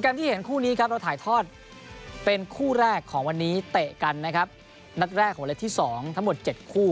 แกรมที่เห็นคู่นี้ครับเราถ่ายทอดเป็นคู่แรกของวันนี้เตะกันนะครับนัดแรกของเล็กที่๒ทั้งหมด๗คู่